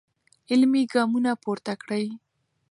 عملي ګامونه پورته کړئ.